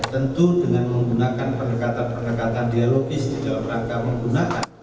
tentu dengan menggunakan pendekatan pendekatan dialogis di dalam rangka menggunakan